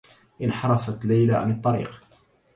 انحرفت ليلى عن الطّريق.